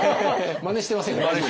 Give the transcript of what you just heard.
まねしてません？